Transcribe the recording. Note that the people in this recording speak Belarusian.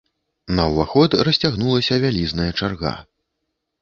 На ўваход расцягнулася вялізная чарга.